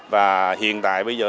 và hiện tại bây giờ